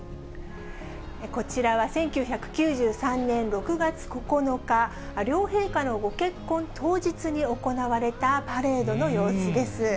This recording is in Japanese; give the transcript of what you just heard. こちらは、１９９３年６月９日、両陛下のご結婚当日に行われたパレードの様子です。